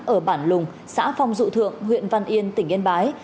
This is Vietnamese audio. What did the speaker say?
ở bản lùng xã phong dụ thượng huyện văn yên tỉnh yên bái